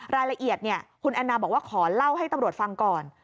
รายละเอียดคุณแอนนาบอกว่าขอเล่าให้ตำรวจฟังก่อน